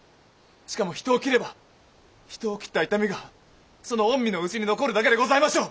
しかも人を斬れば人を斬った痛みがその御身の内に残るだけでございましょう！